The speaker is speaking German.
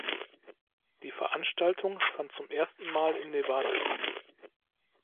Die Veranstaltung fand zum ersten Mal in Nevada statt.